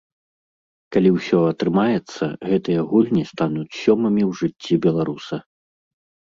Калі ўсё атрымаецца, гэтыя гульні стануць сёмымі ў жыцці беларуса.